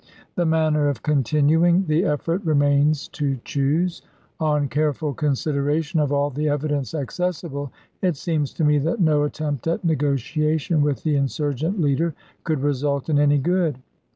The manner of continuing the effort remains to choose. On careful consideration of all the evidence accessible, it seems to me that no at tempt at negotiation with the insurgent leader could re sult in any good.